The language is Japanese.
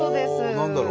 何だろう？